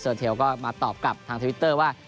เชิร์จเท่าก็มาตอบกลับทางทวิตเตอร์ว่า